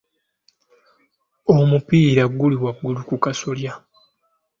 Omupiira guli waggulu ku kasolya.